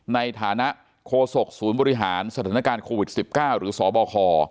ในฐานะโคศกศูนย์บริหารสถานการณ์โควิด๑๙หรือสบค